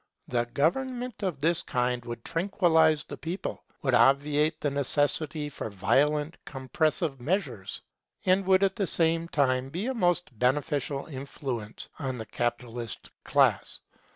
A government of this kind would tranquillize the people, would obviate the necessity for violent compressive measures, and would at the same time have a most beneficial influence on the capitalist class.